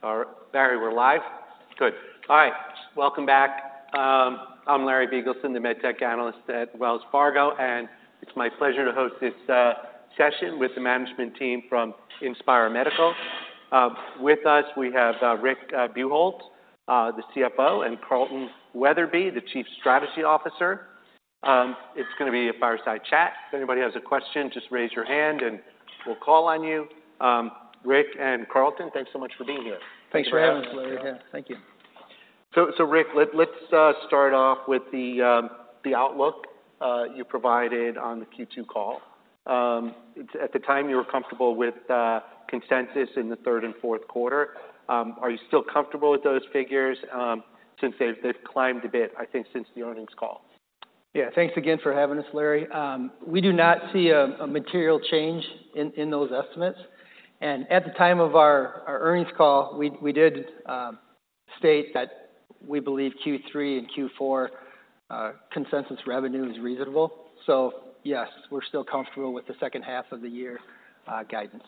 All right, Larry, we're live? Good. Hi. Welcome back. I'm Larry Biegelsen, the MedTech Analyst at Wells Fargo, and it's my pleasure to host this session with the management team from Inspire Medical. With us, we have Rick Buchholz, the CFO and Carlton Weatherby, the Chief Strategy Officer. It's gonna be a fireside chat. If anybody has a question, just raise your hand and we'll call on you. Rick and Carlton, thanks so much for being here. Thanks for having us, Larry. Thanks for having us. Yeah. Thank you. Rick, let's start off with the outlook you provided on the Q2 call. At the time, you were comfortable with consensus in the third and fourth quarter. Are you still comfortable with those figures since they've climbed a bit, I think, since the earnings call? Yeah. Thanks again for having us, Larry. We do not see a material change in those estimates, and at the time of our earnings call, we did state that we believe Q3 and Q4 consensus revenue is reasonable. So yes, we're still comfortable with the second half of the year guidance.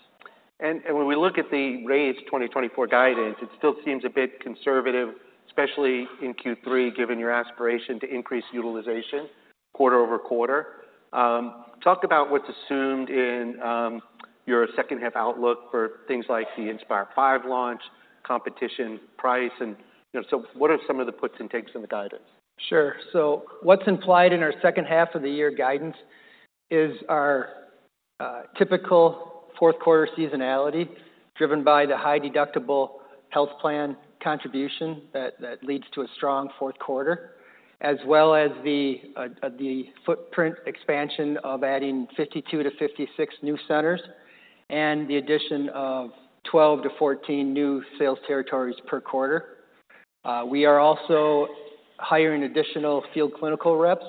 When we look at the raised 2024 guidance, it still seems a bit conservative, especially in Q3, given your aspiration to increase utilization quarter-over-quarter. Talk about what's assumed in your second-half outlook for things like the Inspire V launch, competition, price, and, you know, so what are some of the puts and takes in the guidance? Sure. So what's implied in our second half of the year guidance is our typical fourth quarter seasonality, driven by the high deductible health plan contribution that leads to a strong fourth quarter, as well as the footprint expansion of adding 52-56 new centers and the addition of 12-14 new sales territories per quarter. We are also hiring additional field clinical reps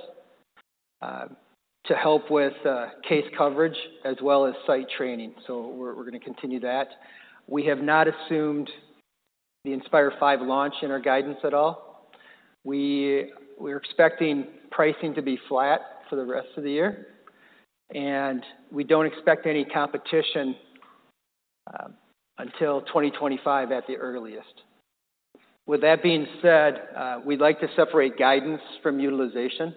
to help with case coverage as well as site training, so we're gonna continue that. We have not assumed the Inspire V launch in our guidance at all. We're expecting pricing to be flat for the rest of the year, and we don't expect any competition until 2025 at the earliest. With that being said, we'd like to separate guidance from utilization,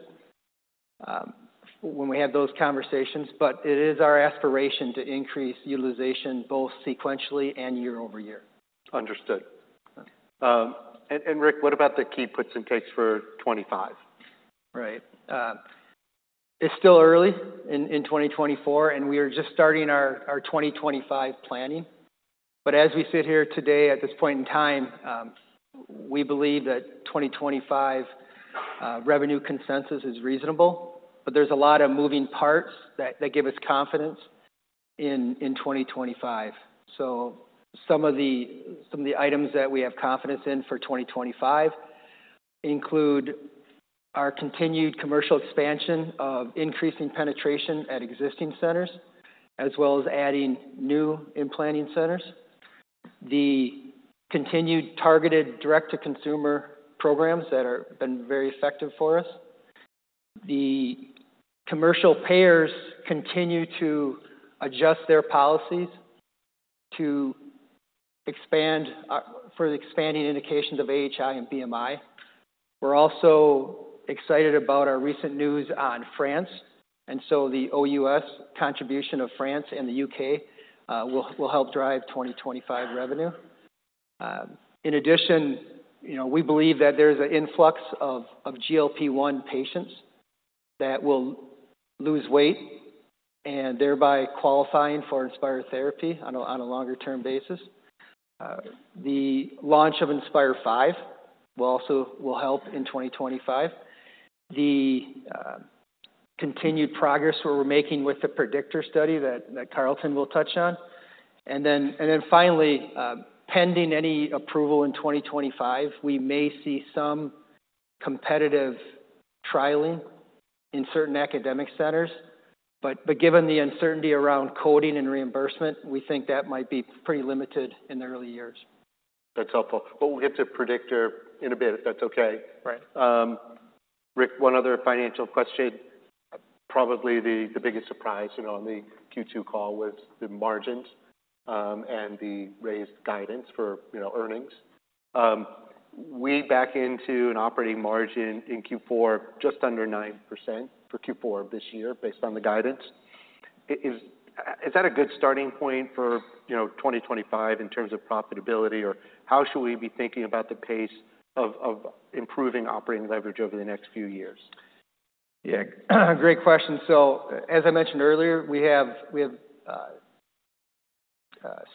when we have those conversations, but it is our aspiration to increase utilization both sequentially and year-over-year. Understood. Okay. Rick, what about the key puts and takes for 2025? Right. It's still early in 2024, and we are just starting our 2025 planning, but as we sit here today, at this point in time, we believe that 2025 revenue consensus is reasonable, but there's a lot of moving parts that give us confidence in 2025, so some of the items that we have confidence in for 2025 include our continued commercial expansion of increasing penetration at existing centers, as well as adding new implanting centers, the continued targeted direct-to-consumer programs that have been very effective for us. The commercial payers continue to adjust their policies to expand for the expanding indications of AHI and BMI. We're also excited about our recent news on France, and so the OUS contribution of France and the UK will help drive 2025 revenue. In addition, you know, we believe that there's an influx of GLP-1 patients that will lose weight and thereby qualifying for Inspire therapy on a longer-term basis. The launch of Inspire V will also help in 2025. The continued progress where we're making with the PREDICTOR study that Carlton will touch on. And then finally, pending any approval in 2025, we may see some competitive trialing in certain academic centers, but given the uncertainty around coding and reimbursement, we think that might be pretty limited in the early years. That's helpful, but we'll get to predictor in a bit, if that's okay. Right. Rick, one other financial question. Probably the biggest surprise, you know, on the Q2 call was the margins and the raised guidance for, you know, earnings. We back into an operating margin in Q4, just under 9% for Q4 of this year, based on the guidance. Is that a good starting point for, you know, 2025 in terms of profitability, or how should we be thinking about the pace of improving operating leverage over the next few years? Yeah, great question. So as I mentioned earlier, we have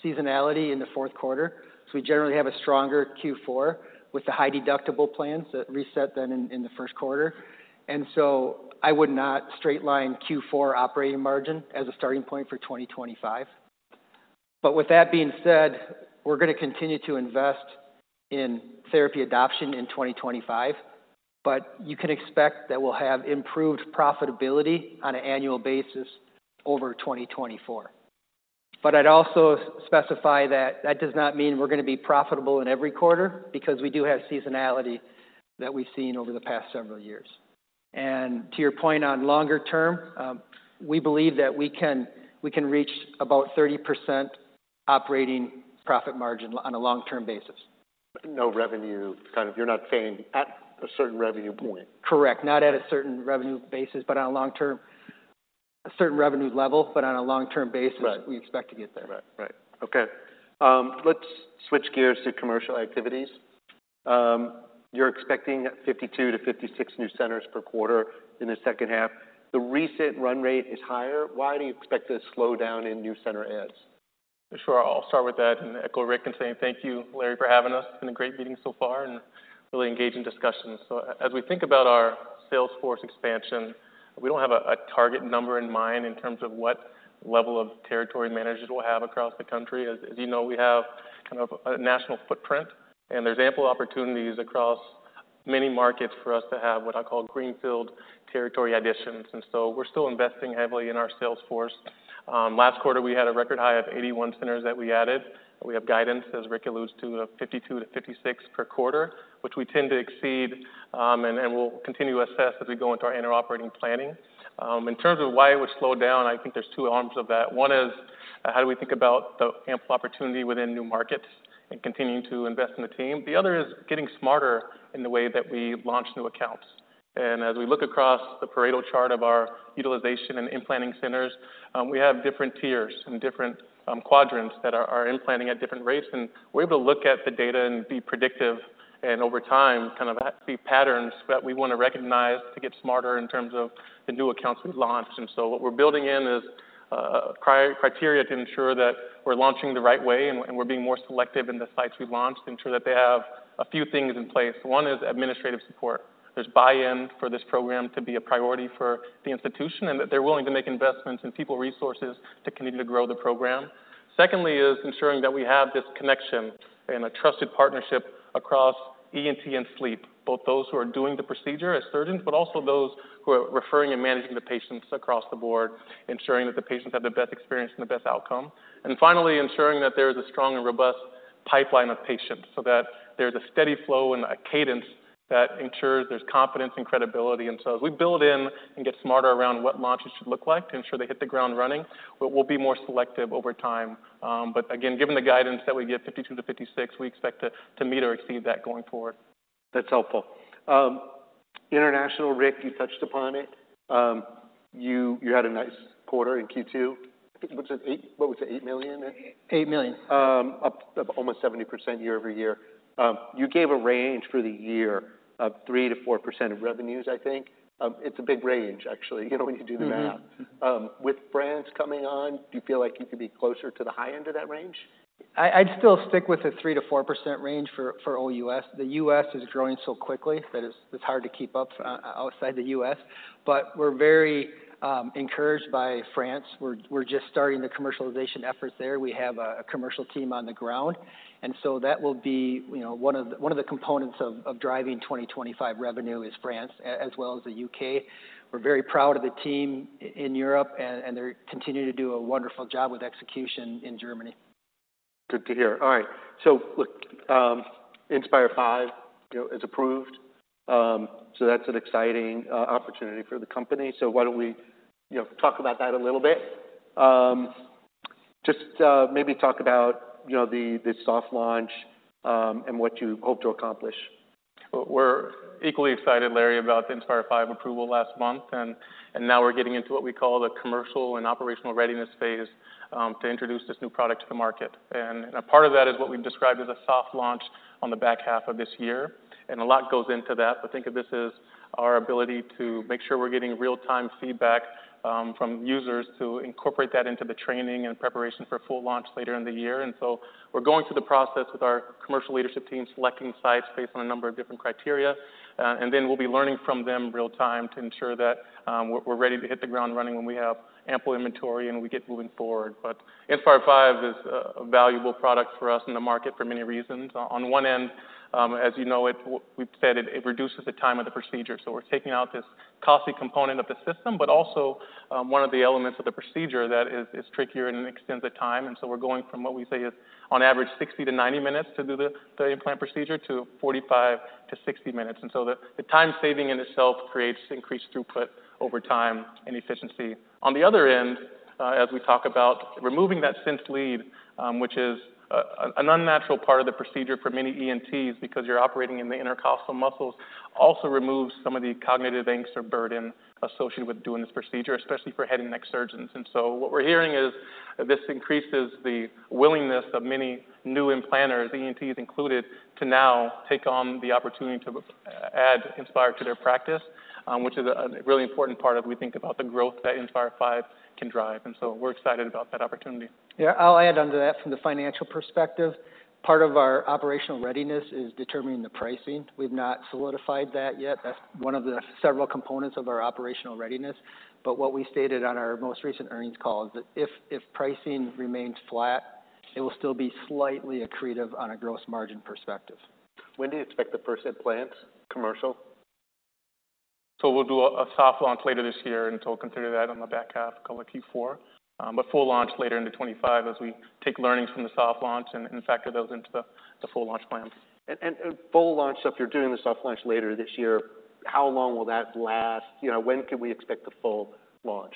seasonality in the fourth quarter, so we generally have a stronger Q4 with the high deductible plans that reset then in the first quarter. And so I would not straight-line Q4 operating margin as a starting point for 2025. But with that being said, we're gonna continue to invest in therapy adoption in 2025, but you can expect that we'll have improved profitability on an annual basis over 2024. But I'd also specify that that does not mean we're gonna be profitable in every quarter, because we do have seasonality that we've seen over the past several years. And to your point on longer term, we believe that we can reach about 30% operating profit margin on a long-term basis. No revenue, kind of, you're not saying at a certain revenue point? Correct. Not at a certain revenue level, but on a long-term basis. Right. We expect to get there. Right. Right. Okay, let's switch gears to commercial activities. You're expecting 52 to 56 new centers per quarter in the second half. The recent run rate is higher. Why do you expect this slow down in new center adds? Sure, I'll start with that and echo Rick in saying thank you, Larry, for having us. It's been a great meeting so far and really engaging discussions. So as we think about our sales force expansion, we don't have a target number in mind in terms of what level of territory managers we'll have across the country. As you know, we have kind of a national footprint, and there's ample opportunities across many markets for us to have what I call greenfield territory additions. And so we're still investing heavily in our sales force. Last quarter, we had a record high of 81 centers that we added. We have guidance, as Rick alludes to, of 52-56 per quarter, which we tend to exceed, and we'll continue to assess as we go into our annual operating planning. In terms of why it would slow down, I think there's two arms of that. One is, how do we think about the ample opportunity within new markets and continuing to invest in the team? The other is getting smarter in the way that we launch new accounts. And as we look across the Pareto chart of our utilization and implanting centers, we have different tiers and different quadrants that are implanting at different rates. And we're able to look at the data and be predictive, and over time, kind of see patterns that we want to recognize to get smarter in terms of the new accounts we've launched. And so what we're building in is criteria to ensure that we're launching the right way and we're being more selective in the sites we've launched, ensure that they have a few things in place. One is administrative support. There's buy-in for this program to be a priority for the institution, and that they're willing to make investments in people, resources to continue to grow the program. Secondly, is ensuring that we have this connection and a trusted partnership across ENT and sleep, both those who are doing the procedure as surgeons, but also those who are referring and managing the patients across the board, ensuring that the patients have the best experience and the best outcome. And finally, ensuring that there is a strong and robust pipeline of patients, so that there's a steady flow and a cadence that ensures there's confidence and credibility. And so as we build in and get smarter around what launches should look like to ensure they hit the ground running, but we'll be more selective over time. But again, given the guidance that we give, 52-56, we expect to meet or exceed that going forward. That's helpful. International, Rick, you touched upon it. You had a nice quarter in Q2. I think it was at $8 million... What was it, $8 million? Eight million. Up almost 70% year-over-year. You gave a range for the year of 3%-4% of revenues I think. It's a big range, actually, you know, when you do the math. Mm-hmm. With France coming on, do you feel like you could be closer to the high end of that range? I'd still stick with the 3%-4% range for OUS. The U.S. is growing so quickly that it's hard to keep up outside the U.S. But we're very encouraged by France. We're just starting the commercialization efforts there. We have a commercial team on the ground, and so that will be, you know, one of the components of driving 2025 revenue is France, as well as the U.K. We're very proud of the team in Europe, and they're continuing to do a wonderful job with execution in Germany. Good to hear. All right. So look, Inspire V, you know, is approved. So that's an exciting opportunity for the company. So why don't we, you know, talk about that a little bit? Just maybe talk about, you know, the soft launch, and what you hope to accomplish. We're equally excited, Larry, about the Inspire V approval last month, and now we're getting into what we call the commercial and operational readiness phase, to introduce this new product to the market. And a part of that is what we've described as a soft launch on the back half of this year, and a lot goes into that. But think of this as our ability to make sure we're getting real-time feedback, from users to incorporate that into the training and preparation for full launch later in the year. And so we're going through the process with our commercial leadership team, selecting sites based on a number of different criteria. And then we'll be learning from them real time to ensure that, we're ready to hit the ground running when we have ample inventory and we get moving forward. But Inspire V is a valuable product for us in the market for many reasons. On one end, as you know, it, we've said it, it reduces the time of the procedure, so we're taking out this costly component of the system, but also, one of the elements of the procedure that is trickier and extends the time. And so we're going from what we say is, on average, sixty to ninety minutes to do the implant procedure, to forty-five to sixty minutes. And so the time saving in itself creates increased throughput over time and efficiency. On the other end, as we talk about removing that sensing lead, which is an unnatural part of the procedure for many ENTs, because you're operating in the intercostal muscles, also removes some of the cognitive angst or burden associated with doing this procedure, especially for head and neck surgeons, and so what we're hearing is this increases the willingness of many new implanters, ENTs included, to now take on the opportunity to add Inspire to their practice, which is a really important part of, we think about the growth that Inspire V can drive, and so we're excited about that opportunity. Yeah, I'll add onto that from the financial perspective. Part of our operational readiness is determining the pricing. We've not solidified that yet. That's one of the several components of our operational readiness. But what we stated on our most recent earnings call is that if pricing remains flat, it will still be slightly accretive on a gross margin perspective. When do you expect the first implants, commercial? We'll do a soft launch later this year, and we'll consider that on the back half, call it Q4. But full launch later into 2025, as we take learnings from the soft launch and factor those into the full launch plans. Full launch, if you're doing the soft launch later this year, how long will that last? You know, when can we expect the full launch? ...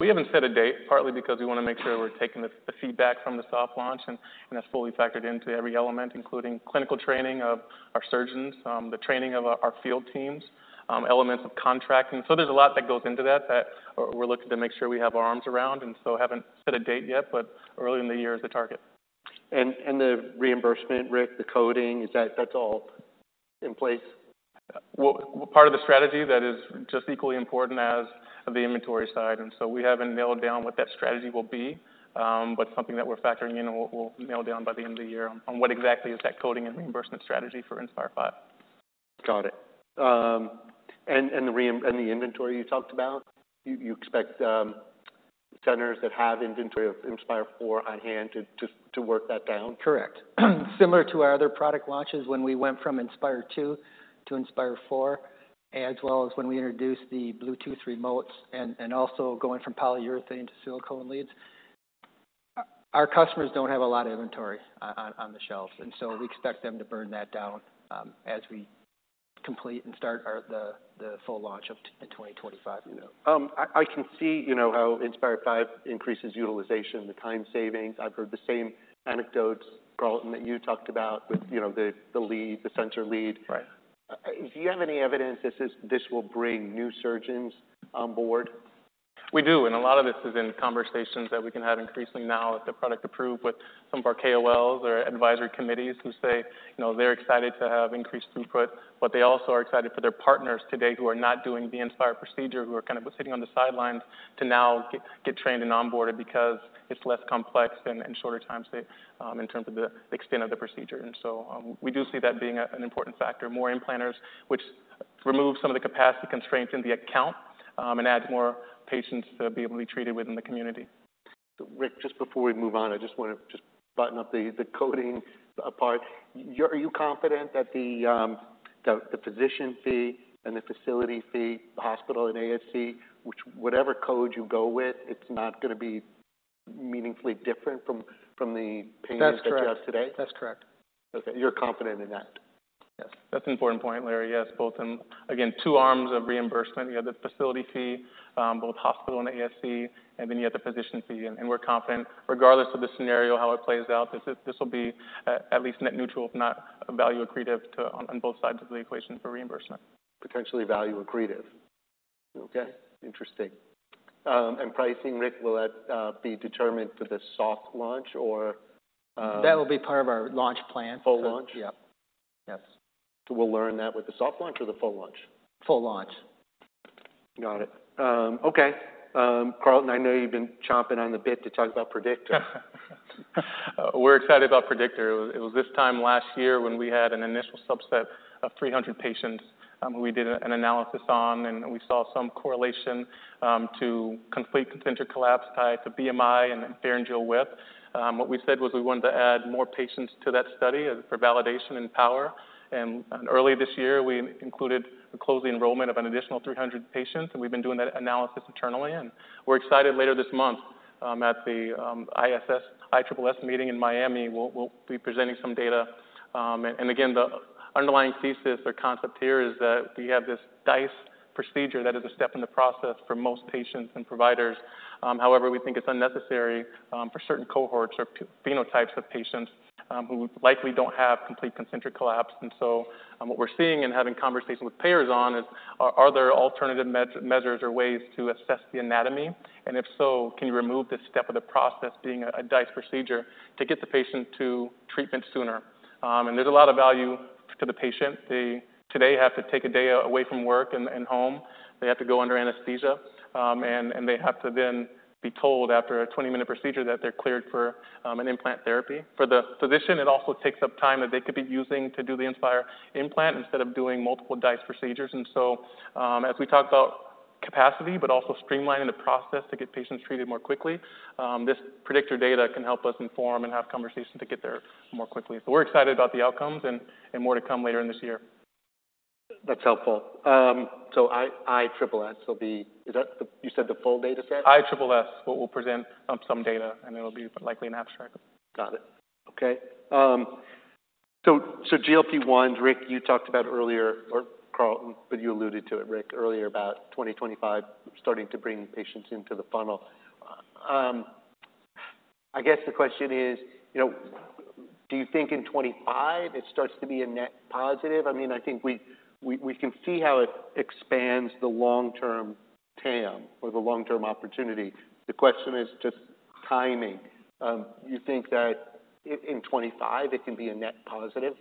We haven't set a date, partly because we want to make sure we're taking the feedback from the soft launch, and that's fully factored into every element, including clinical training of our surgeons, the training of our field teams, elements of contracting. So there's a lot that goes into that that we're looking to make sure we have our arms around, and so haven't set a date yet, but early in the year is the target. The reimbursement, Rick, the coding, is that - that's all in place? Part of the strategy that is just equally important as the inventory side, and so we haven't nailed down what that strategy will be, but something that we're factoring in and we'll nail down by the end of the year on what exactly is that coding and reimbursement strategy for Inspire V. Got it. And the inventory you talked about, you expect centers that have inventory of Inspire IV on hand to work that down? Correct. Similar to our other product launches when we went from Inspire II to Inspire IV, as well as when we introduced the Bluetooth remotes and also going from polyurethane to silicone leads. Our customers don't have a lot of inventory on the shelves, and so we expect them to burn that down, as we complete and start the full launch of the 2025. I can see, you know, how Inspire V increases utilization, the time savings. I've heard the same anecdotes, Carlton, that you talked about with, you know, the lead, the sensing lead. Right. Do you have any evidence this will bring new surgeons on board? We do, and a lot of this is in conversations that we can have increasingly now with the product approved, with some of our KOLs or advisory committees who say, you know, they're excited to have increased throughput. But they also are excited for their partners today who are not doing the Inspire procedure, who are kind of sitting on the sidelines to now get trained and onboarded because it's less complex and shorter time in terms of the extent of the procedure. And so, we do see that being an important factor. More implanters, which removes some of the capacity constraints in the account, and adds more patients to be able to be treated within the community. Rick, just before we move on, I just want to button up the coding part. Are you confident that the physician fee and the facility fee, the hospital and ASC, whichever code you go with, it's not gonna be meaningfully different from the payments- That's correct. that you have today? That's correct. Okay. You're confident in that? Yes, that's an important point, Larry. Yes, both in, again, two arms of reimbursement. You have the facility fee, both hospital and ASC, and then you have the physician fee. And we're confident, regardless of the scenario, how it plays out, this will be at least net neutral, if not value accretive, to, on both sides of the equation for reimbursement. Potentially value accretive. Okay, interesting and pricing, Rick, will that be determined for the soft launch or That will be part of our launch plan. Full launch? Yep. Yes. So we'll learn that with the soft launch or the full launch? Full launch. Got it. Okay. Carlton, I know you've been chomping on the bit to talk about PREDICTOR. We're excited about PREDICTOR. It was this time last year when we had an initial subset of 300 patients, who we did an analysis on, and we saw some correlation to complete concentric collapse, type of BMI and pharyngeal width. What we said was we wanted to add more patients to that study for validation and power. Early this year, we included a closed enrollment of an additional 300 patients, and we've been doing that analysis internally. We're excited later this month at the ISSS meeting in Miami. We'll be presenting some data. Again, the underlying thesis or concept here is that we have this DISE procedure that is a step in the process for most patients and providers. However, we think it's unnecessary for certain cohorts or phenotypes of patients who likely don't have complete concentric collapse. And so, what we're seeing and having conversations with payers on is, are there alternative measures or ways to assess the anatomy? And if so, can you remove this step of the process, being a DISE procedure, to get the patient to treatment sooner? And there's a lot of value to the patient. They, today, have to take a day away from work and home. They have to go under anesthesia, and they have to then be told after a 20-minute procedure that they're cleared for an implant therapy. For the physician, it also takes up time that they could be using to do the Inspire implant instead of doing multiple DISE procedures. And so, as we talk about capacity, but also streamlining the process to get patients treated more quickly, this PREDICTOR data can help us inform and have conversations to get there more quickly. So we're excited about the outcomes and more to come later in this year. That's helpful. So ISSS will be... Is that, you said, the full dataset? ISSS, but we'll present some data, and it'll be likely an abstract. Got it. Okay. So, so GLP-1, Rick, you talked about earlier, or Carlton, but you alluded to it, Rick, earlier, about 2025 starting to bring patients into the funnel. I guess the question is, you know, do you think in 2025 it starts to be a net positive? I mean, I think we can see how it expands the long-term TAM or the long-term opportunity. The question is just timing. You think that in 2025, it can be a net positive?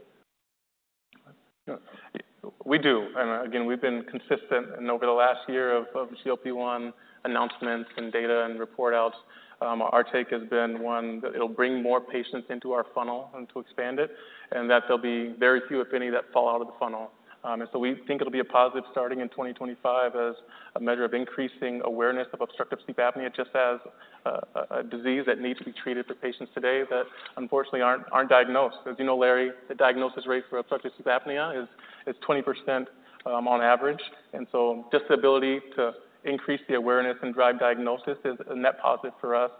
We do. And again, we've been consistent and over the last year of GLP-1 announcements and data and report outs, our take has been one, that it'll bring more patients into our funnel and to expand it, and that there'll be very few, if any, that fall out of the funnel. And so we think it'll be a positive starting in 2025 as a measure of increasing awareness of obstructive sleep apnea, just as a disease that needs to be treated for patients today that unfortunately aren't diagnosed. As you know, Larry, the diagnosis rate for obstructive sleep apnea is 20% on average. And so just the ability to increase the awareness and drive diagnosis is a net positive for us,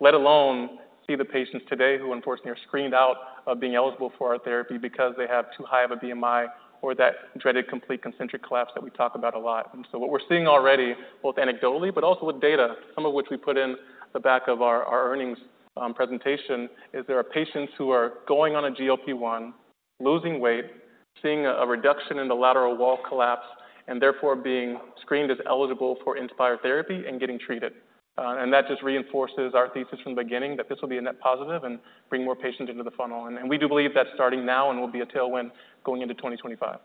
let alone-... See the patients today who unfortunately are screened out of being eligible for our therapy because they have too high of a BMI or that dreaded complete concentric collapse that we talk about a lot. And so what we're seeing already, both anecdotally, but also with data, some of which we put in the back of our earnings presentation, is there are patients who are going on a GLP-1, losing weight, seeing a reduction in the lateral wall collapse, and therefore being screened as eligible for Inspire therapy and getting treated. And that just reinforces our thesis from the beginning, that this will be a net positive and bring more patients into the funnel. And we do believe that's starting now and will be a tailwind going into 2025.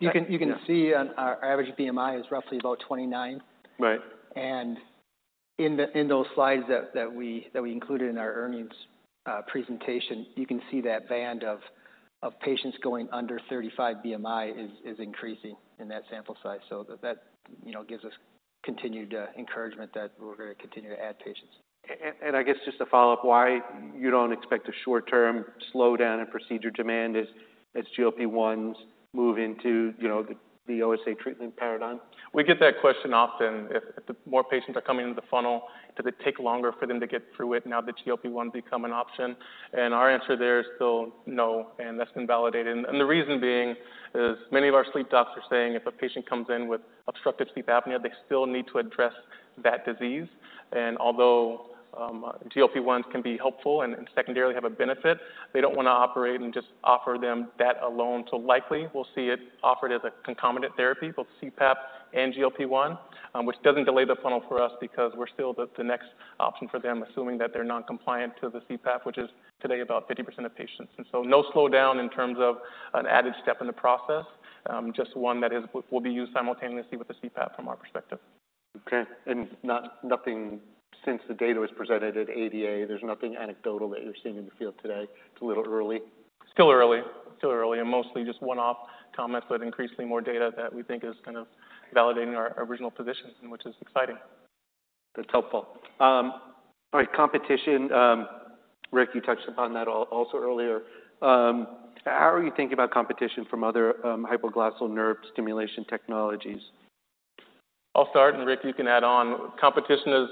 You can see, our average BMI is roughly about 29. Right. In those slides that we included in our earnings presentation, you can see that band of patients going under 35 BMI is increasing in that sample size. So that you know gives us continued encouragement that we're gonna continue to add patients. And I guess just to follow up, why you don't expect a short-term slowdown in procedure demand as GLP-1s move into, you know, the OSA treatment paradigm? We get that question often. If the more patients are coming into the funnel, does it take longer for them to get through it now that GLP-1's become an option? And our answer there is still no, and that's been validated. And the reason being is many of our sleep doctors are saying if a patient comes in with obstructive sleep apnea, they still need to address that disease. And although GLP-1s can be helpful and secondarily have a benefit, they don't wanna operate and just offer them that alone. So likely, we'll see it offered as a concomitant therapy, both CPAP and GLP-1, which doesn't delay the funnel for us because we're still the next option for them, assuming that they're non-compliant to the CPAP, which is today about 50% of patients. And so no slowdown in terms of an added step in the process, just one that is, will be used simultaneously with the CPAP from our perspective. Okay, and nothing since the data was presented at ADA, there's nothing anecdotal that you're seeing in the field today? It's a little early. Still early. Still early, and mostly just one-off comments, but increasingly more data that we think is kind of validating our, our original positions, and which is exciting. That's helpful. All right, competition. Rick, you touched upon that also earlier. How are you thinking about competition from other hypoglossal nerve stimulation technologies? I'll start, and Rick, you can add on. Competition is,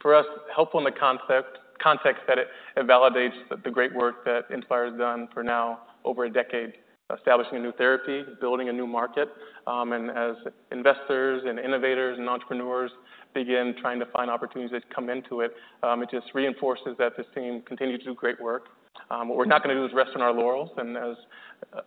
for us, helpful in the context that it validates the great work that Inspire has done for now over a decade, establishing a new therapy, building a new market. And as investors and innovators and entrepreneurs begin trying to find opportunities that come into it, it just reinforces that this team continue to do great work. What we're not gonna do is rest on our laurels, and as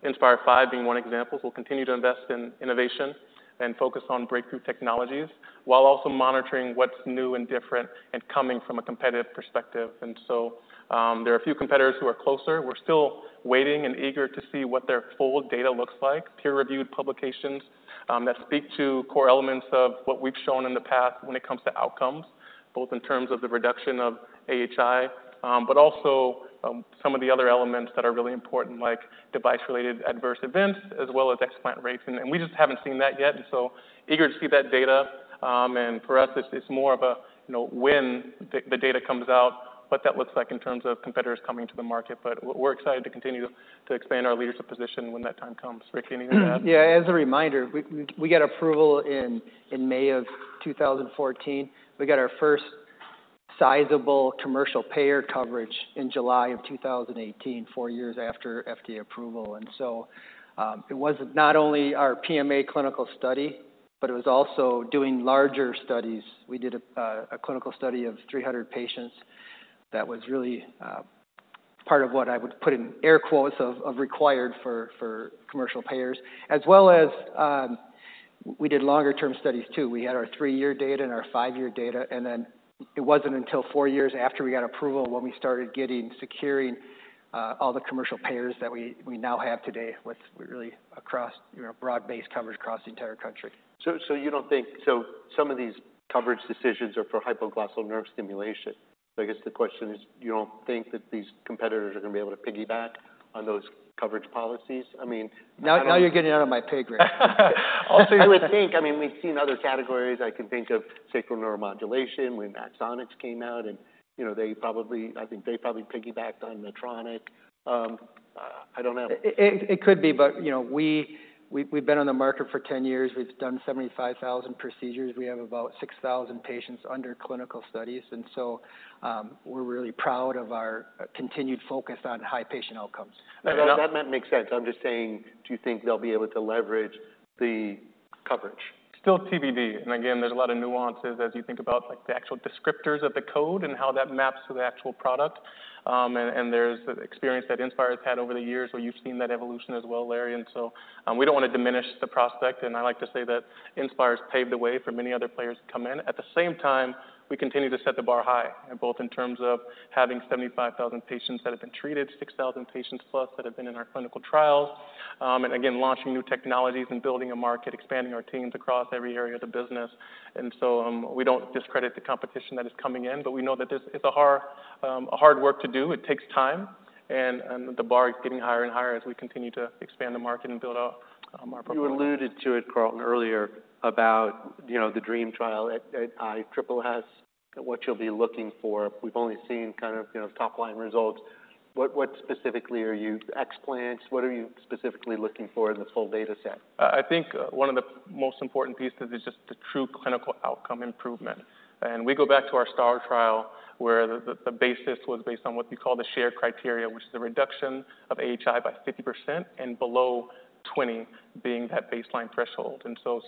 Inspire V being one example, we'll continue to invest in innovation and focus on breakthrough technologies while also monitoring what's new and different and coming from a competitive perspective. So, there are a few competitors who are closer. We're still waiting and eager to see what their full data looks like, peer-reviewed publications, that speak to core elements of what we've shown in the past when it comes to outcomes, both in terms of the reduction of AHI, but also, some of the other elements that are really important, like device-related adverse events, as well as explant rates, and we just haven't seen that yet, and so eager to see that data. And for us, it's more of a, you know, when the data comes out, what that looks like in terms of competitors coming to the market. But we're excited to continue to expand our leadership position when that time comes. Rick, anything to add? Yeah. As a reminder, we got approval in May of two thousand and fourteen. We got our first sizable commercial payer coverage in July of two thousand and eighteen, four years after FDA approval. And so, it wasn't not only our PMA clinical study, but it was also doing larger studies. We did a clinical study of 300 patients. That was really part of what I would put in air quotes of required for commercial payers, as well as, we did longer term studies, too. We had our three-year data and our five-year data, and then it wasn't until four years after we got approval when we started getting, securing all the commercial payers that we now have today, with really across, you know, broad-based coverage across the entire country. So some of these coverage decisions are for hypoglossal nerve stimulation. So I guess the question is, you don't think that these competitors are gonna be able to piggyback on those coverage policies? I mean- Now, now you're getting out of my pay grade. Also, you would think, I mean, we've seen other categories. I can think of sacral neuromodulation when Medtronic came out, and, you know, they probably, I think they probably piggybacked on Medtronic. I don't know. It could be, but, you know, we've been on the market for 10 years. We've done 75,000 procedures. We have about 6,000 patients under clinical studies, and so, we're really proud of our continued focus on high patient outcomes. That, that makes sense. I'm just saying, do you think they'll be able to leverage the coverage? Still TBD, and again, there's a lot of nuances as you think about, like, the actual descriptors of the code and how that maps to the actual product, and there's the experience that Inspire has had over the years, where you've seen that evolution as well, Larry, and so we don't want to diminish the prospect, and I like to say that Inspire has paved the way for many other players to come in. At the same time, we continue to set the bar high, both in terms of having 75,000 patients that have been treated, 6,000 patients plus that have been in our clinical trials, and again, launching new technologies and building a market, expanding our teams across every area of the business. And so, we don't discredit the competition that is coming in, but we know that this, it's a hard work to do. It takes time, and the bar is getting higher and higher as we continue to expand the market and build out our portfolio. You alluded to it, Carlton, earlier, about, you know, the DREAM trial at ISSS, what you'll be looking for. We've only seen kind of, you know, top-line results. What specifically are you, explants? What are you specifically looking for in the full data set? I think one of the most important pieces is just the true clinical outcome improvement. We go back to our STAR trial, where the basis was based on what we call the Sher criteria, which is the reduction of AHI by 50% and below 20 being that baseline threshold.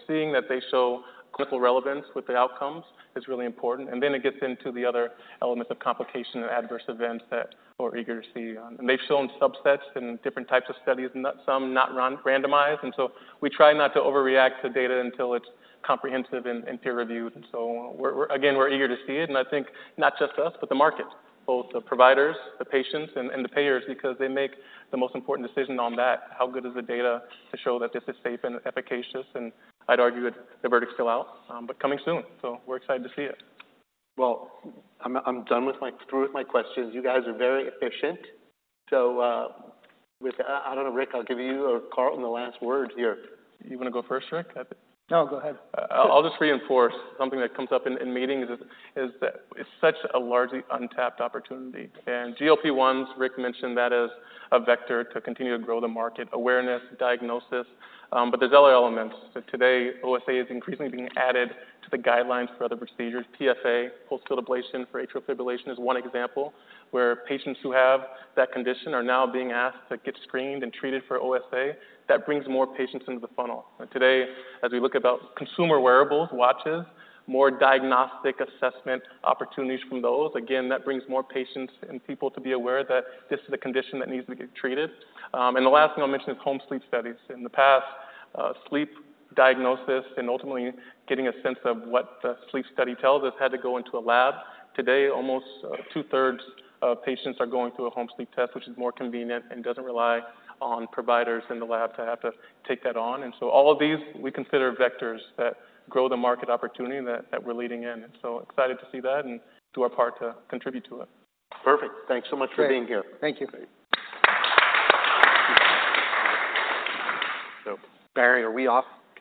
Seeing that they show clinical relevance with the outcomes is really important. Then it gets into the other elements of complication and adverse events that we're eager to see on. They've shown subsets in different types of studies, and some not run randomized, and so we try not to overreact to data until it's comprehensive and peer-reviewed. And so we're again eager to see it, and I think not just us, but the market, both the providers, the patients, and the payers, because they make the most important decision on that. How good is the data to show that this is safe and efficacious? And I'd argue that the verdict's still out, but coming soon, so we're excited to see it. I'm through with my questions. You guys are very efficient. So, I don't know, Rick, I'll give you or Carlton the last word here. You want to go first, Rick? No, go ahead. I'll just reinforce something that comes up in meetings is that it's such a largely untapped opportunity, and GLP-1s, Rick mentioned, that is a vector to continue to grow the market, awareness, diagnosis, but there's other elements, so today, OSA is increasingly being added to the guidelines for other procedures. PFA, pulsed field ablation for atrial fibrillation, is one example where patients who have that condition are now being asked to get screened and treated for OSA. That brings more patients into the funnel, and today, as we look about consumer wearables, watches, more diagnostic assessment opportunities from those. Again, that brings more patients and people to be aware that this is a condition that needs to get treated, and the last thing I'll mention is home sleep studies. In the past, sleep diagnosis and ultimately getting a sense of what the sleep study tells us had to go into a lab. Today, almost 2/3s of patients are going through a home sleep test, which is more convenient and doesn't rely on providers in the lab to have to take that on. And so all of these, we consider vectors that grow the market opportunity that we're leading in. So excited to see that and do our part to contribute to it. Perfect. Thanks so much for being here. Thank you. Great. So, Larry, are we off?